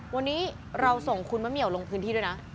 วันนี้เราส่งคุณมะเหมียวลงพื้นที่ด้วยนะ